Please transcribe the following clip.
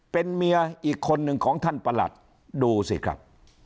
เป็นเมียอีกคนหนึ่งของท่านประหลัดดูสิครับ